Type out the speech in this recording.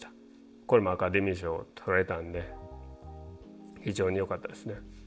これもアカデミー賞を取れたんで非常によかったですね。